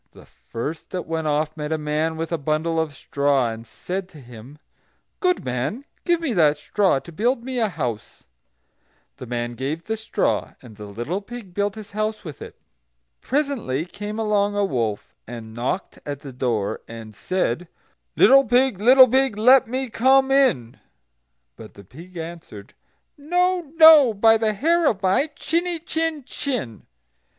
The first that went off met a man with a bundle of straw, and said to him: "Good man, give me that straw to build me a house." The man gave the straw, and the little pig built his house with it. Presently came along a wolf, and knocked at the door, and said: "Little pig, little pig, let me come in." But the pig answered: "No, no, by the hair of my chiny chin chin."